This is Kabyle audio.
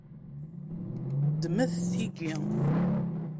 Ddmet tigi.